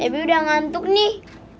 ebi udah ngantuk nih